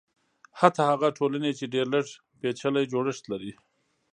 حتی هغه ټولنې چې ډېر لږ پېچلی جوړښت لري.